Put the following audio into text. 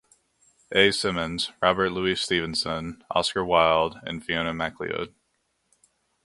A. Symonds, Robert Louis Stevenson, Oscar Wilde, and Fiona MacLeod.